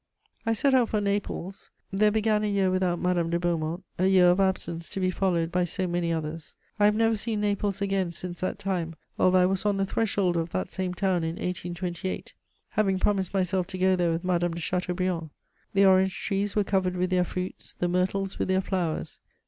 I set out for Naples: there began a year without Madame de Beaumont, a year of absence to be followed by so many others! I have never seen Naples again since that time, although I was on the threshold of that same town in 1828, having promised myself to go there with Madame de Chateaubriand. The orange trees were covered with their fruits, the myrtles with their flowers.